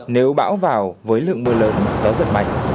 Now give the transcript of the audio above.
nếu bão vào với lượng mưa lớn gió giật mạnh